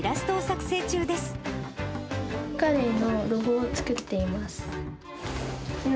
カレーのロゴを作っています。